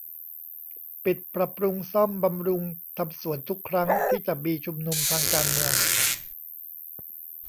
ปิดปรับปรุงซ่อมบำรุงทำสวนทุกครั้งที่จะมีชุมนุมทางการเมือง